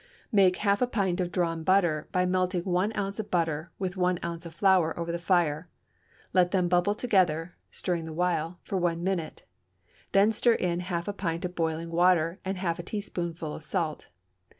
Make half a pint of drawn butter by melting one ounce of butter with one ounce of flour over the fire; let them bubble together (stirring the while) for one minute; then stir in half a pint of boiling water and half a teaspoonful of salt.